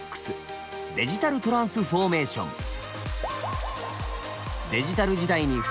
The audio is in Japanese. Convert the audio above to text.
デジタルトランスフォーメーション。